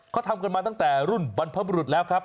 เขาทำกันมาตั้งแต่รุ่นบรรพบรุษแล้วครับ